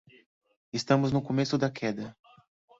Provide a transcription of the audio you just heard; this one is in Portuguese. Estamos no começo da queda.